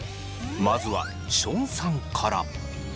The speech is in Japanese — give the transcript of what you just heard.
まずはションさんから。